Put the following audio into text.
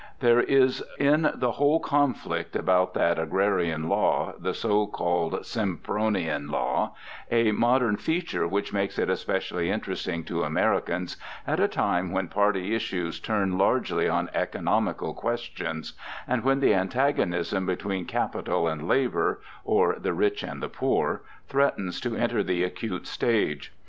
There is in the whole conflict about that agrarian law (the so called Sempronian law) a modern feature which makes it especially interesting to Americans at a time when party issues turn largely on economical questions, and when the antagonism between capital and labor (or the rich and the poor) threatens to enter the acute stage.